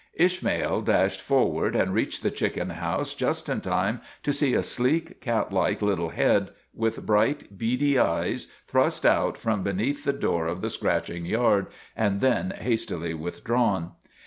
Ishmael dashed forward and reached the chicken house just in time to see a sleek, catlike little head, with bright, beady eyes, thrust out from beneath the door of the scratching yard, and then hastily withdrawn.